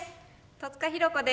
戸塚寛子です。